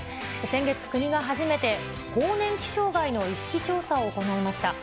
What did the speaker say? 先月、国が初めて、更年期障害の意識調査を行いました。